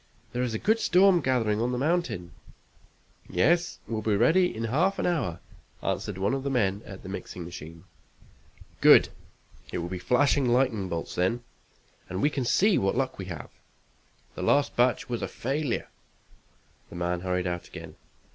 "There's a good storm gathering on the mountain!" "Yes, we'll be ready in half an hour," answered one of the men at the mixing machine. "Good. It will be flashing lightning bolts then, and we can see what luck we have. The last batch was a failure." The man hurried out again. Mr.